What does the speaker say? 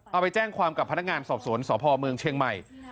เอาไปแจ้งความกับพนักงานสอบสวนสพเมืองเชียงใหม่